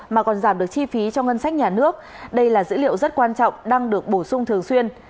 mà còn giảm được chi phí cho ngân sách nhà nước đây là dữ liệu rất quan trọng đang được bổ sung thường xuyên